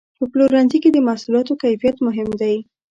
په پلورنځي کې د محصولاتو کیفیت مهم دی.